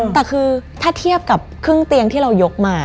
แต่คือถ้าเทียบกับครึ่งเตียงที่เรายกมา